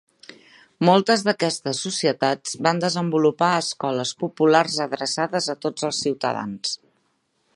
Moltes d'aquestes societats van desenvolupar escoles populars adreçades a tots els ciutadans.